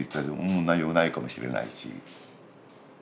うん内容ないかもしれないし。